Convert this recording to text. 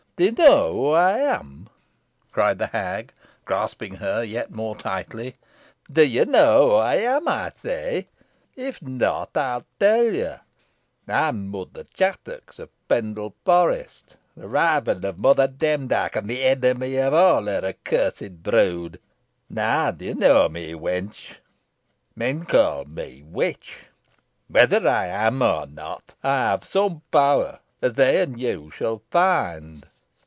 "Do you know who I am?" cried the hag, grasping her yet more tightly. "Do you know who I am, I say? If not, I will tell you. I am Mother Chattox of Pendle Forest, the rival of Mother Demdike, and the enemy of all her accursed brood. Now, do you know me, wench? Men call me witch. Whether I am so or not, I have some power, as they and you shall find.